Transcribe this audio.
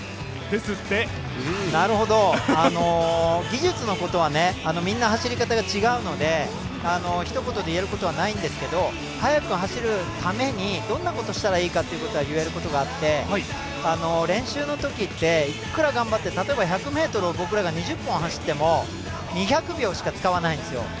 技術のことは、みんな走り方が違うのでひと言で言えることはないんですけど速く走るためにどんなことをしたらいいかということは言えることがあって、練習のときって、いくら頑張って、例えば１００ｍを僕らが２０本走っても２００秒しか使わないんですよ。